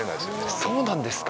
そうなんですか。